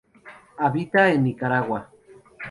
Habita en Nicaragua.